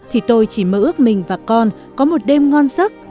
thì tôi chỉ mơ ước mình và con có một đêm ngon giấc